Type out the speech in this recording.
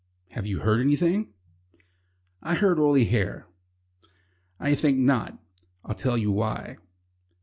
"Have you heard anything?" "I heard Oily Hair." "I think not. I'll tell you why.